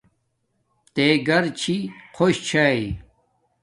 تے گھر چھی خوش چھاݵ